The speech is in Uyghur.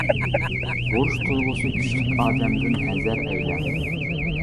بۇرچ تۇيغۇسى كۈچلۈك ئادەمدىن ھەزەر ئەيلە.